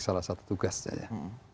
salah satu tugasnya ya